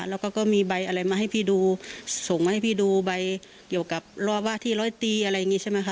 แล้วก็ก็มีใบอะไรมาให้พี่ดูส่งมาให้พี่ดูใบเกี่ยวกับรอว่าที่ร้อยตีอะไรอย่างนี้ใช่ไหมคะ